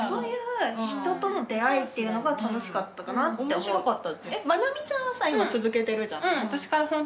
面白かった。